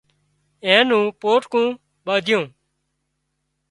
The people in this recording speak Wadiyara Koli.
اين نون پوٽڪُون ٻانڌيون